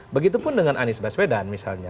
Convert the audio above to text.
begitupun dengan anies baswedan misalnya